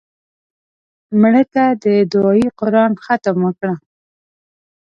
مړه ته د دعایي قرآن ختم وکړه